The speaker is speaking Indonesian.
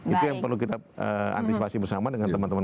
itu yang perlu kita antisipasi bersama dengan teman teman